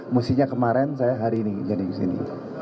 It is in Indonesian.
musinya kemarin saya hari ini jadi disini